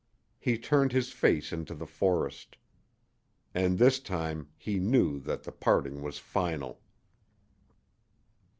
He turned his face into the forest. And this time he knew that the parting was final.